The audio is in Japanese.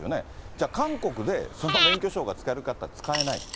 じゃあ、韓国でその免許証が使えるかっていったら使えないと。